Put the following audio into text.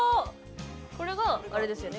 これがあれですよね